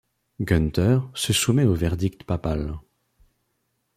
Günther se soumet au verdict papal.